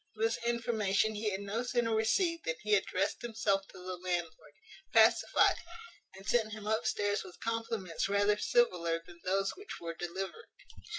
This information he had no sooner received than he addressed himself to the landlord, pacified him, and sent him upstairs with compliments rather civiller than those which were delivered.